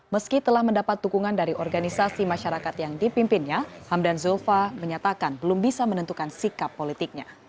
meski telah mendapat dukungan dari organisasi masyarakat yang dipimpinnya hamdan zulfa menyatakan belum bisa menentukan sikap politiknya